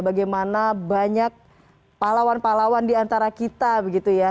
bagaimana banyak pahlawan pahlawan diantara kita begitu ya